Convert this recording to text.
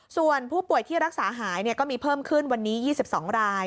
ส่วนผู้ป่วยที่รักษาหายก็มีเพิ่มขึ้นวันนี้๒๒ราย